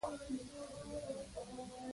دا مړه او بې اثره پوهه ده